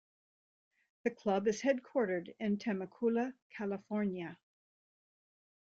The club is headquartered in Temecula, California.